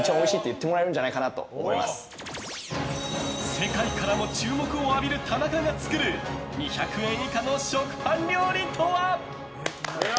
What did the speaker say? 世界からも注目を浴びた田中が作る２００円以下の食パン料理とは。